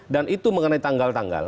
dan itu mengenai tanggal tanggal